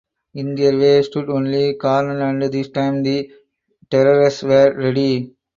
In their way stood only Cornell and this time the Terriers were ready.